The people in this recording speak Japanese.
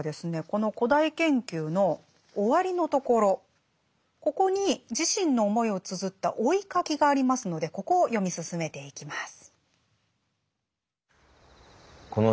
この「古代研究」の終わりのところここに自身の思いをつづった「追ひ書き」がありますのでここを読み進めていきます。